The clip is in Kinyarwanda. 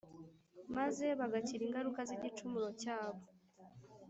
maze bagakira ingaruka z’igicumuro cyabo :